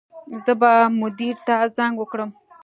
زه به مدیر ته زنګ وکړم